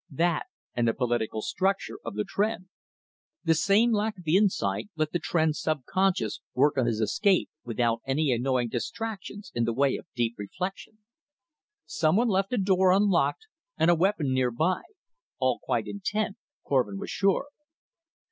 That, and the political structure of the Tr'en. The same lack of insight let the Tr'en subconscious work on his escape without any annoying distractions in the way of deep reflection. Someone left a door unlocked and a weapon nearby all quite intent, Korvin was sure.